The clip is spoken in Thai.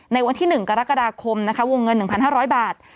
ในวันที่๑กรกฎาคมนะคะวงเงิน๑๕๐๐บาท